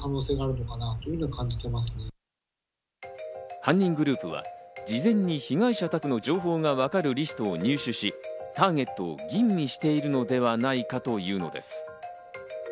犯人グループは事前に被害者宅の情報がわかるリストを入手し、ターゲットを吟味しているのではないかというのです。